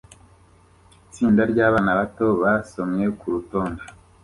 Itsinda ryabana bato basomye kurutonde